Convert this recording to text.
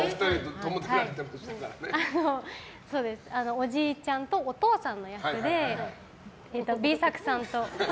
おじいちゃんとお父さんの役でＢ作さんと。